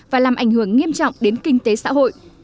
và làm ảnh hưởng nghiêm trọng đến kinh tế xã hội